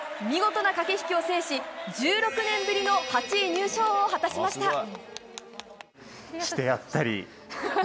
見事な駆け引きを制し、１６年ぶりの８位入賞を果たしました。